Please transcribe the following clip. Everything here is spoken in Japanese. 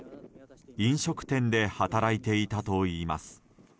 飲食店で働いていたといいます。